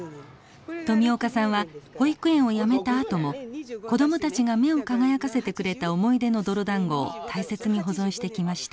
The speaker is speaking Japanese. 富岡さんは保育園を辞めた後も子供たちが目を輝かせてくれた思い出の泥だんごを大切に保存してきました。